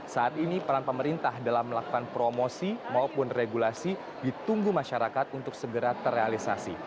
saat ini peran pemerintah dalam melakukan promosi maupun regulasi ditunggu masyarakat untuk segera terrealisasi